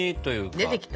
出てきた？